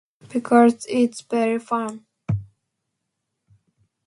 Because it's very firm.